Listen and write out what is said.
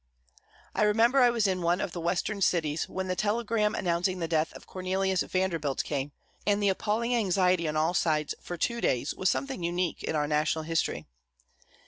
I remember I was in one of the western cities when the telegram announcing the death of Cornelius Vanderbilt came, and the appalling anxiety on all sides, for two days, was something unique in our national history.